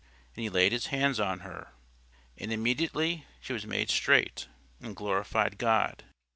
And he laid his hands on her: and immediately she was made straight, and glorified God.